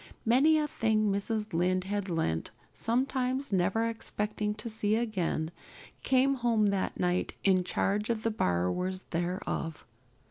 Many a thing Mrs. Lynde had lent, sometimes never expecting to see it again, came home that night in charge of the borrowers thereof.